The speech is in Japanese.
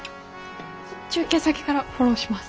中継先からフォローします。